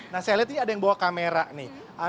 nah saya lihat ini ada yang bawa kamera nih